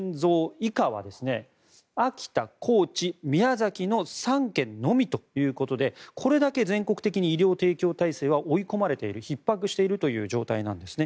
以下は秋田、高知、宮崎の３県のみということでこれだけ全国的に医療提供体制は追い込まれているひっ迫しているという状態なんですね。